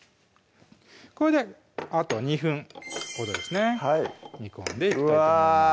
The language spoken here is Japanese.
これであと２分ほどですね煮込んでいきたいと思いますうわ！